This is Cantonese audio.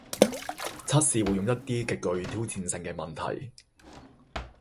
測試會用一啲極具挑戰性嘅問題